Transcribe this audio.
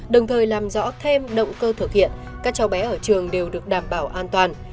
đồng thời làm rõ thêm động cơ thực hiện các cháu bé ở trường đều được đảm bảo an toàn